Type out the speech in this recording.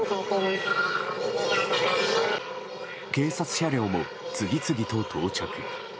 警察車両も次々と到着。